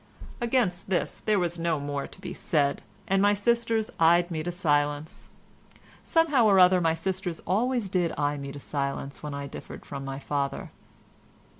Against this there was no more to be said, and my sisters eyed me to silence. Somehow or other my sisters always did eye me to silence when I differed from my father.